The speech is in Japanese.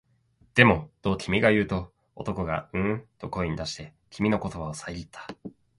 でも、と君は言うと、男がううんと声に出して、君の言葉をさえぎった